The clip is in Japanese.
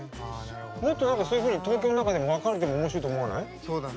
もっと、そういうふうに東京の中でも分かれたらおもしろいと思わない？